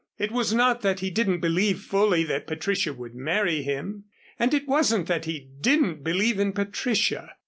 It was not that he didn't believe fully that Patricia would marry him, and it wasn't that he didn't believe in Patricia.